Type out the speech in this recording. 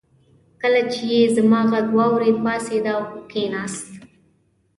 کله چې يې زما غږ واورېد راپاڅېد او کېناست.